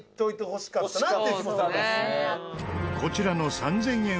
こちらの３０００円